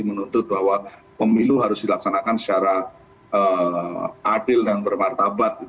menuntut bahwa pemilu harus dilaksanakan secara adil dan bermartabat